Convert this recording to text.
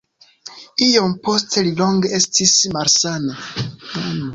Iom poste li longe estis malsana.